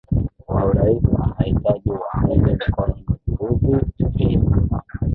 wa urais anahitaji aungwe mkono na thuluthi mbili